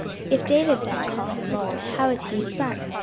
If David then call him Lord, how is he his son?